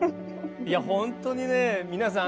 本当にね皆さん